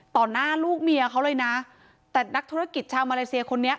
หน้าลูกเมียเขาเลยนะแต่นักธุรกิจชาวมาเลเซียคนนี้